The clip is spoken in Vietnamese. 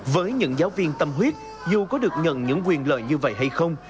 với những giáo viên tâm huyết dù có được nhận những quyền lợi như vậy hay không